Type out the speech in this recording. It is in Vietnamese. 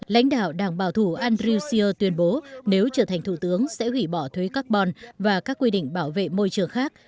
lãnh đạo đảng bảo thủ andrew syer tuyên bố nếu trở thành thủ tướng sẽ hủy bỏ thuế carbon và các quy định bảo vệ môi trường khác